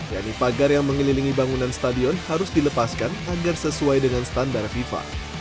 yakni pagar yang mengelilingi bangunan stadion harus dilepaskan agar sesuai dengan standar fifa